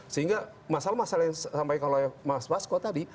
sehingga masalah masalah yang sampai kalau mas pasko tadi